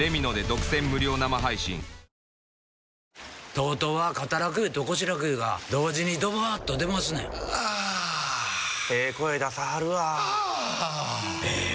ＴＯＴＯは肩楽湯と腰楽湯が同時にドバーッと出ますねんあええ声出さはるわあええ